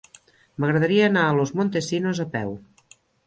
M'agradaria anar a Los Montesinos a peu.